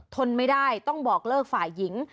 ทนไม่ได้ต้องบอกเลิกฝ่ายหญิง